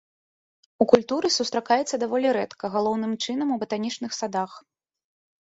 У культуры сустракаецца даволі рэдка, галоўным чынам у батанічных садах.